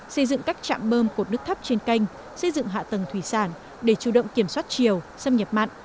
xây dựng các trạm bơm của nước thấp trên canh xây dựng hạ tầng thủy sản để chủ động kiểm soát chiều xâm nhập mặn